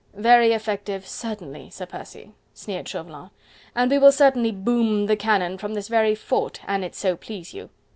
"Very effective certainly, Sir Percy," sneered Chauvelin, "and we will certainly boom the cannon from this very fort, an it so please you...."